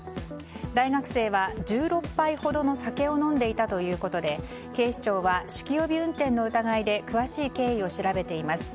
大学生は１６杯ほどの酒を飲んでいたということで警視庁は酒気帯び運転の疑いで詳しい経緯を調べています。